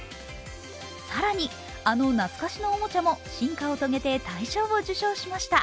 更にあの懐かしのおもちゃも進化を遂げて大賞を受賞しました。